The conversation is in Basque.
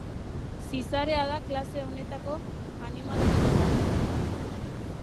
Zizarea da klase honetako animaliarik ezagunena.